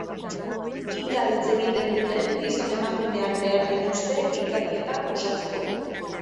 Hika hitz egiten duten gizon emakumeak behar dituzte ikerketa osatzeko.